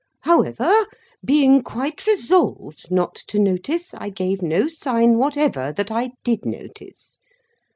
However, being quite resolved not to notice, I gave no sign whatever that I did notice.